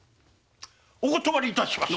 お断り致します！